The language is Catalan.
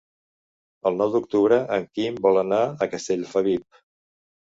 El nou d'octubre en Quim vol anar a Castellfabib.